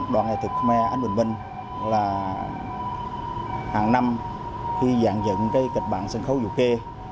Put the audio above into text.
đoàn nghệ thuật khơ me ánh bình minh là hàng năm khi dàn dựng kịch bản sân khấu dù kê